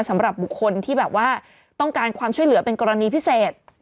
สำหรับบุคคลที่แบบว่าต้องการความช่วยเหลือเป็นกรณีพิเศษ